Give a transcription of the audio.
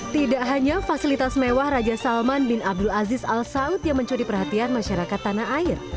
tidak hanya fasilitas mewah raja salman bin abdul aziz al saud yang mencuri perhatian masyarakat tanah air